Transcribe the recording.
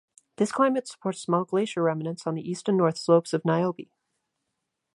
This climate supports small glacier remnants on the east and north slopes of Niobe.